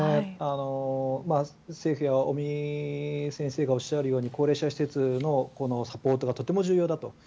政府や尾身先生がおっしゃるように高齢者施設のサポートがとても重要だと。